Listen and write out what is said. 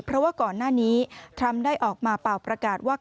เพราะว่าก่อนหน้านี้ทรัมป์ได้ออกมาเป่าประกาศว่า